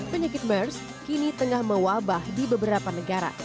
penyakit mers kini tengah mewabah di beberapa negara